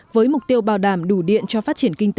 với mục tiêu bảo đảm đủ điện cho phát triển hệ thống điện